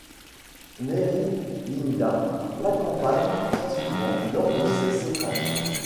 Mairi Linda l'accompagne très souvent lors de ces séquences.